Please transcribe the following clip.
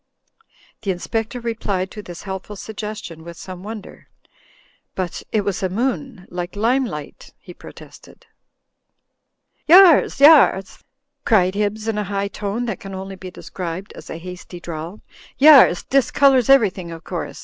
The Inspector replied to this helpful suggestion with some wonder. "But it was a moon, like limelight," he protested. "Yars, yars," cried Hibbs, in a high tone that can only be described as a hasty drawl. '*Yar&— discolours everything of course.